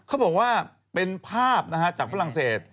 เขาบอกว่าเป็นภาพนะฮะจากฝรั่งเศส